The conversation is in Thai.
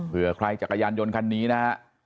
เพื่อใครจักรยานยนต์คันนี้นะฮะ